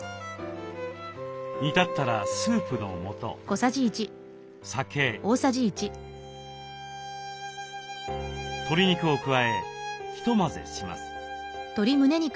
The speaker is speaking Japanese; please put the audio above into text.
煮立ったらスープの素酒鶏肉を加えひと混ぜします。